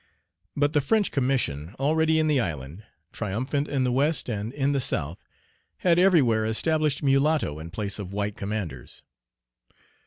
But the French Commission already in the island, triumphant in the West and in the South, had everywhere established mulatto in place of white commanders.